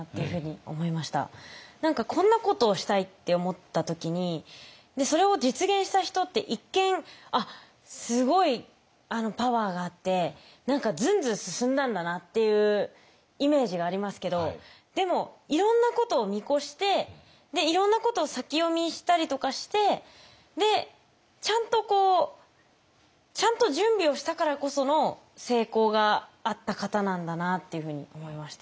何かこんなことをしたいって思った時にそれを実現した人って一見すごいパワーがあって何かずんずん進んだんだなっていうイメージがありますけどでもいろんなことを見越していろんなことを先読みしたりとかしてちゃんと準備をしたからこその成功があった方なんだなっていうふうに思いました。